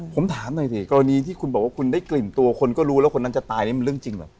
ผมถามหน่อยสิกรณีที่คุณบอกว่าคุณได้กลิ่นตัวคนก็รู้แล้วคนนั้นจะตายนี่มันเรื่องจริงเหรอ